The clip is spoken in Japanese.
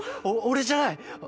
お俺じゃない！